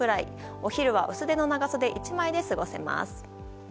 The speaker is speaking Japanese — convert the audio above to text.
お昼は薄手の長袖１枚で過ごせます。